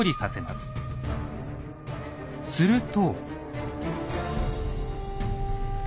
すると。